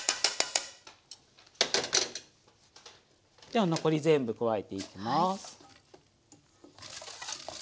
では残り全部加えていきます。